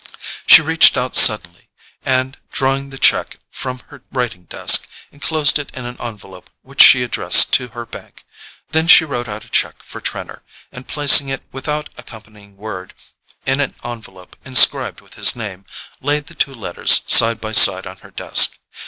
She reached out suddenly and, drawing the cheque from her writing desk, enclosed it in an envelope which she addressed to her bank. She then wrote out a cheque for Trenor, and placing it, without an accompanying word, in an envelope inscribed with his name, laid the two letters side by side on her desk.